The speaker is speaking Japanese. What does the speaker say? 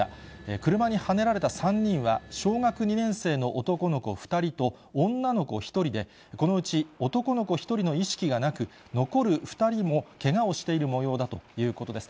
車にはねられた３人は小学２年生の男の子２人と、女の子１人で、このうち男の子１人の意識がなく、残る２人もけがをしているもようだということです。